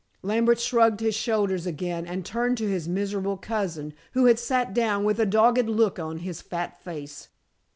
Lambert shrugged his shoulders again and turned to his miserable cousin, who had sat down with a dogged look on his fat face.